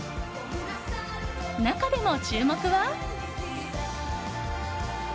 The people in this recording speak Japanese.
中でも注目は。